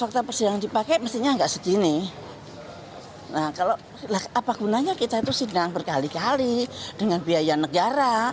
kalau apa gunanya kita itu sidang berkali kali dengan biaya negara